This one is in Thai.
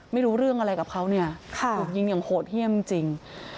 ไม่รู้เรื่องอะไรกับเขาเนี่ยถูกยิงอย่างโหดเยี่ยมจริง